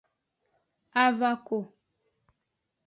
Avako.